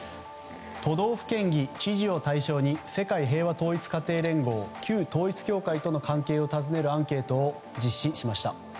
都道府県議、知事を対象に世界平和統一家庭連合旧統一教会との関係を尋ねるアンケートを実施しました。